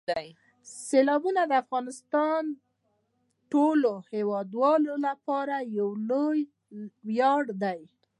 سیلابونه د افغانستان د ټولو هیوادوالو لپاره یو لوی ویاړ دی.